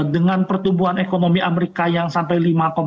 dengan pertumbuhan ekonomi amerika yang sampai lima empat